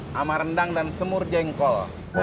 sama rendang dan semur jengkol